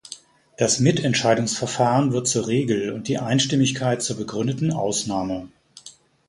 Das Mitentscheidungsverfahren wird zur Regel und die Einstimmigkeit zur begründeten Ausnahme.